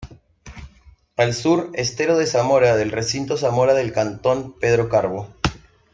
Al sur: Estero de Zamora del Recinto Zamora del Cantón Pedro Carbo.